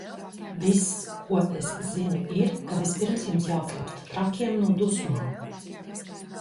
Viss, ko es zinu ir, ka vispirms jums jākļūst trakiem no dusmām!